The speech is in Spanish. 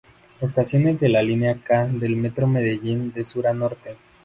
Estaciones de la Linea K del Metro de Medellín de sur a norte.